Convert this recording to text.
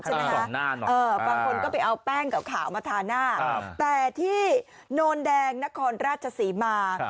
บางคนก็ไปเอาแป้งขาวมาทาหน้าแต่ที่โนนแดงนครราชศรีมา